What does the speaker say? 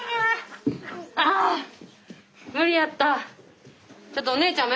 ああ無理やった。